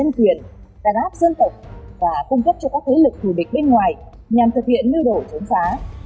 tài đáp dân tộc và cung cấp cho các thế lực thù địch bên ngoài nhằm thực hiện mưu đổi chống xá